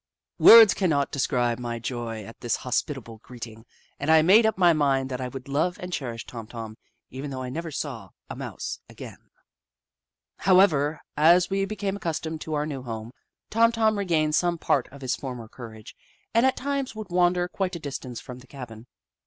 Words cannot de scribe my joy at this hospitable greeting, and I made up my mind that I would love and cherish Tom Tom, even though I never saw a Mouse again. lo The Book of Clever Beasts However, as we became accustomed to our new home, Tom Tom regained some part of his former courage, and at times would wander quite a distance from the cabin.